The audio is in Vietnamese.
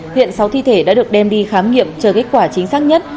hiện sáu thi thể đã được đem đi khám nghiệm chờ kết quả chính xác nhất